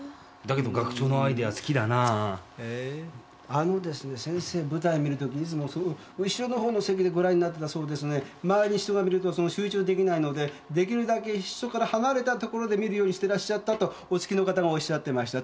あのですね先生舞台見るときいつも後ろの方の席でご覧になってたそうですね。周りに人がいると集中できないのでできるだけ人から離れた所で見るようにしてらっしゃったとお付きの方がおっしゃってました。